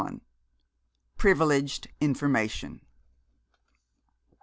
PRIVILEGED INFORMATION.